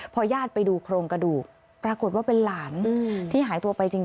พอญาติไปดูโครงกระดูกปรากฏว่าเป็นหลานที่หายตัวไปจริง